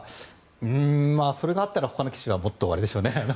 それがあったらほかの棋士はもっとあれでしょうね